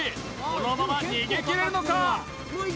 このまま逃げ切れるのか？